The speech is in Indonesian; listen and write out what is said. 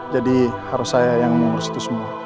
jadi harus saya yang mengurus itu semua